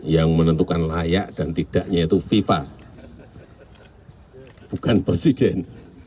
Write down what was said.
yang menentukan layak dan tidaknya itu fifa bukan presiden